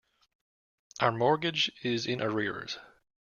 Our mortgage is in arrears.